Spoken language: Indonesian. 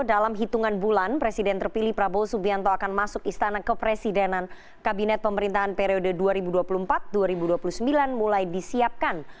dalam hitungan bulan presiden terpilih prabowo subianto akan masuk istana kepresidenan kabinet pemerintahan periode dua ribu dua puluh empat dua ribu dua puluh sembilan mulai disiapkan